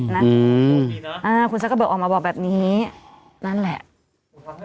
นั้นคุณซักเกอร์เบิร์กออกมาบอกแบบนี้นั่นแหละโอ้โฮอืม